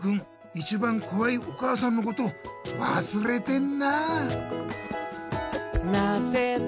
一番こわいお母さんのことわすれてんな。